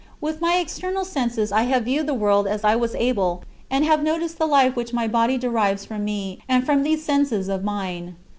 With my external senses I have viewed the world as I was able and have noticed the life which my body derives from me and from these senses of mine.